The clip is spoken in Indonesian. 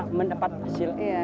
sudah mendapat hasil